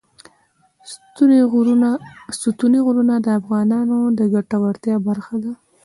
ستوني غرونه د افغانانو د ګټورتیا برخه ده.